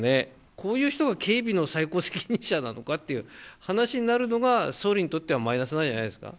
こういう人が警備の最高責任者なのかっていう、話になるのが、総理にとってはマイナスなんじゃないですか。